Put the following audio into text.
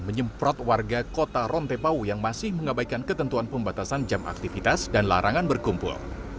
menyemprot warga kota rontepau yang masih mengabaikan ketentuan pembatasan jam aktivitas dan larangan berkumpul